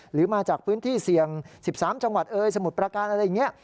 หรือมาจากพื้นที่เสี่ยง๑๓จังหวัดสมุทรประการอะไรอย่างนี้